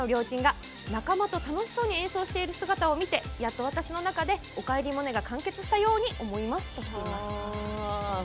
ちんが仲間と楽しそうに演奏している姿を見てやっと私の中で「おかえりモネ」が完結したように思います。